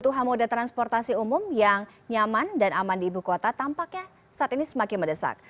untuk hamode transportasi umum yang nyaman dan aman di ibu kota tampaknya saat ini semakin medesak